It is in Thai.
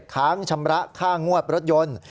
ค้างชำระค่างวดรถยนต์